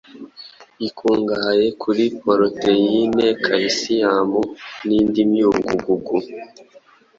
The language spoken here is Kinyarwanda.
ikungahaye kuri poroteyine, calcium nindi myunyu ngugu,